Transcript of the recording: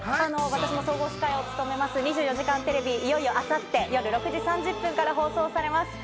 私が総合司会を務める『２４時間テレビ』がいよいよ明後日、夜６時３０分から放送されます。